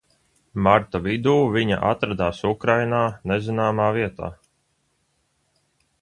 Marta vidū viņa atradās Ukrainā nezināmā vietā.